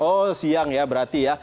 oh siang ya berarti ya